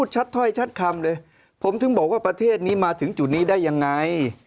ชัดถ้อยชัดคำเลยผมถึงบอกว่าประเทศนี้มาถึงจุดนี้ได้ยังไง